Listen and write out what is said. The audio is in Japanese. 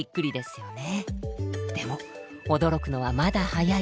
でも驚くのはまだ早い。